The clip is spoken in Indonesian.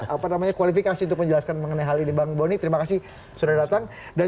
apa namanya kualifikasi untuk menjelaskan mengenai hal ini bang boni terima kasih sudah datang dan